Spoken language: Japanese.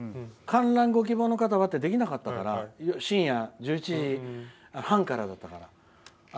観覧ご希望の方はってできなかったから深夜１１時からだったから。